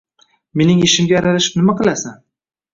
Mening ishimga aralashib nima qilasan?